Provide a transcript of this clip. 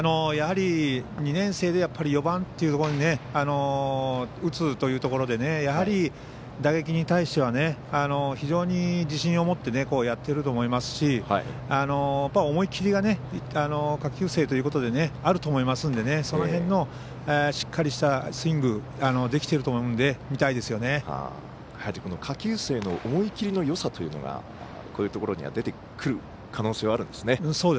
２年生でやっぱり４番というところを打つというところで打撃に対しては非常に自信を持ってやってると思いますし思い切りが下級生ということであると思いますのでその辺のしっかりしたスイングできていると思うので下級生の思い切りのよさというのがこういうところに出てくる可能性があるんですね。